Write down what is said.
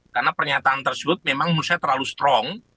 karena pernyataan tersebut memang menurut saya terlalu strong